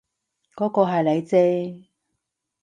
嗰個係你啫